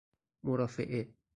مرافعه